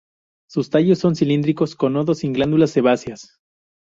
Sus tallos son cilíndricos, con nodos sin glándulas sebáceas.